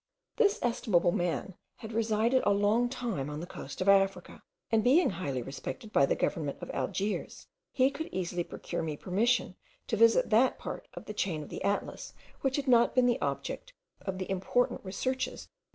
This estimable man had resided a long time on the coast of Africa; and being highly respected by the government of Algiers, he could easily procure me permission to visit that part of the chain of the Atlas which had not been the object of the important researches of M.